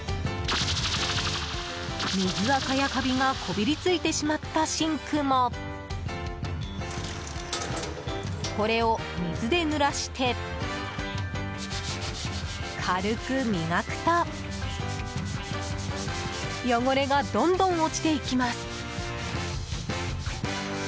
水垢やカビがこびりついてしまったシンクもこれを水でぬらして軽く磨くと汚れがどんどん落ちていきます。